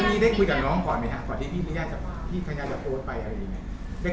ก่อนที่พี่พี่ย่าจะโปรดไปอะไรอย่างเงี้ย